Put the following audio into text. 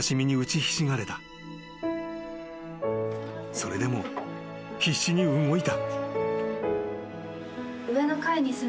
［それでも必死に動いた］